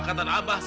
kembali ke nah mama